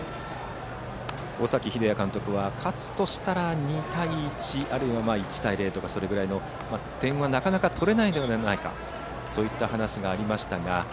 尾崎英也監督は勝つとしたら２対１あるいは１対０というぐらいの点はなかなか取れないのではないかというそういった話がありましたが。